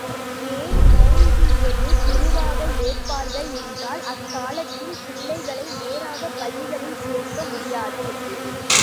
ஏன் மெளல்வியையே குருவாக ஏற்பார்கள் என்றால் அக்காலத்தில் பிள்ளைகளை நேராகப் பள்ளிகளில் சேர்க்க முடியாது.